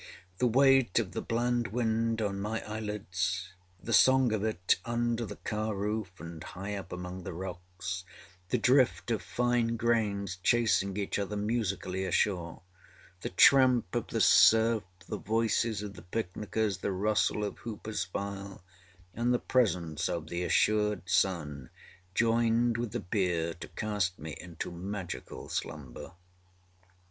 The weight of the bland wind on my eyelids; the song of it under the car roof, and high up among the rocks; the drift of fine grains chasing each other musically ashore; the tramp of the surf; the voices of the picnickers; the rustle of Hooperâs file, and the presence of the assured sun, joined with the beer to cast me into magical slumber.